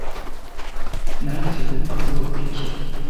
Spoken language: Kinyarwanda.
nanditse kurupapuro rukurikira